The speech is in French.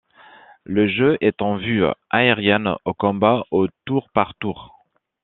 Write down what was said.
Le jeu est en vue aérienne aux combats au tour par tour.